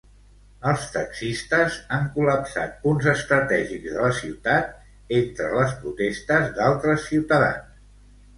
Els taxistes han col·lapsat punts estratègics de la ciutat, entre les protestes d'altres ciutadans.